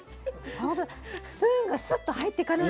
ほんとだスプーンがスッと入っていかない。